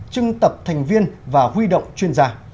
trưng tập thành viên và huy động chuyên gia